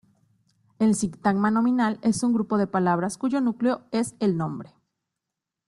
El sintagma nominal es un grupo de palabras cuyo núcleo es el nombre.